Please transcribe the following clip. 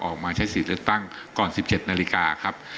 ออกมาใช้สิทธิ์เลือกตั้งก่อน๑๗นาฬิกาครับ